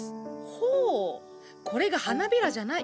ほうこれが花びらじゃない？